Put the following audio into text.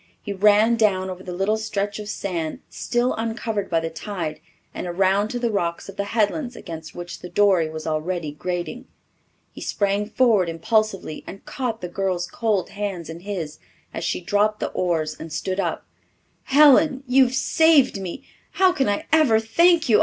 He ran down over the little stretch of sand still uncovered by the tide and around to the rocks of the headlands against which the dory was already grating. He sprang forward impulsively and caught the girl's cold hands in his as she dropped the oars and stood up. "Helen, you have saved me! How can I ever thank you?